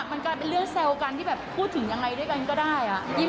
มันกลายเป็นเรื่องแซวกันที่แบบพูดถึงยังไงด้วยกันก็ได้